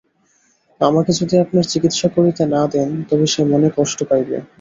আমাকে যদি আপনার চিকিৎসা করিতে না দেন, তবে সে মনে কষ্ট পাইবে।